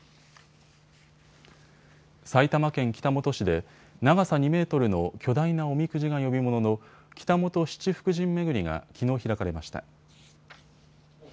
埼玉県北本市で長さ２メートルの巨大なおみくじが呼び物の北本七福神めぐりがきのう開かれました。